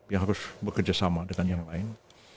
ya harus bekerja sama dengan yang lain